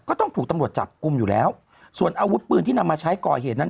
ต้องถูกตำรวจจับกลุ่มอยู่แล้วส่วนอาวุธปืนที่นำมาใช้ก่อเหตุนั้น